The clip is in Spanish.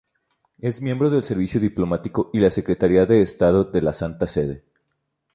Es miembro del Servicio Diplomático y la Secretaría de Estado de la Santa Sede.